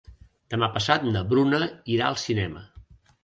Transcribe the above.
Demà passat na Bruna irà al cinema.